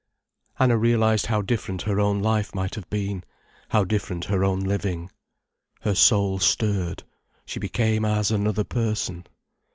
Anna realized how different her own life might have been, how different her own living. Her soul stirred, she became as another person.